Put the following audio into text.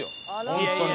本当に。